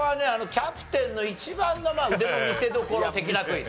キャプテンの一番の腕の見せどころ的なクイズ。